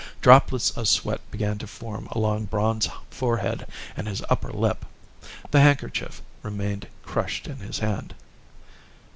Droplets of sweat began to form along Braun's forehead and his upper lip. The handkerchief remained crushed in his hand.